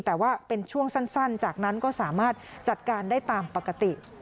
แต่ว่าเป็นช่วงสั้นจากนั้นก็สามารถจัดการได้ตามปกติ